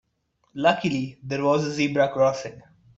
Luckily there was a zebra crossing.